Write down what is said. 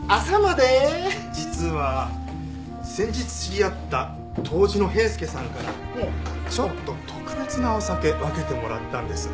実は先日知り合った杜氏の平助さんからちょっと特別なお酒分けてもらったんです。